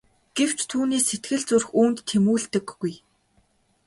Гэвч түүний сэтгэл зүрх үүнд тэмүүлдэггүй.